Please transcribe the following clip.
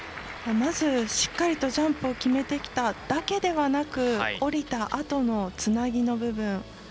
まずしっかりとジャンプを決めてきただけではなく降りたあとのつなぎの部分。